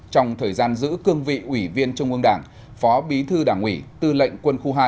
trong thời gian giữ cương vị ủy viên trung ương đảng phó bí thư đảng ủy tư lệnh quân khu hai